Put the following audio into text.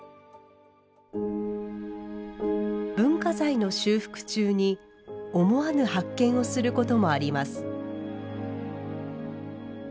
文化財の修復中に思わぬ発見をすることもあります。